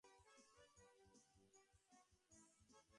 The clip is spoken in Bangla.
লাবণ্যকে বার বার বললেন, মা লাবণ্য, মনটাকে পাষাণ কোরো না।